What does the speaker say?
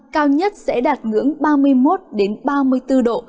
cao nhất sẽ đạt ngưỡng ba mươi một ba mươi bốn độ